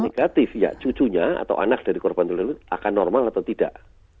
negatif ya cucunya atau anak dari korban akan normal atau tidak